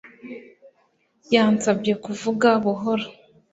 Yansabye kuvuga buhoro